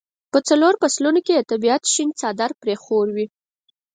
په څلورو فصلونو کې د طبیعت شین څادر پرې خور وي.